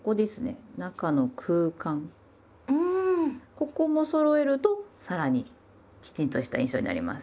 ここもそろえるとさらにきちんとした印象になります。